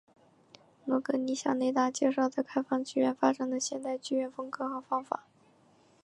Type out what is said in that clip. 罗格尼向雷达介绍在开放剧院发展的现代剧院风格和方法。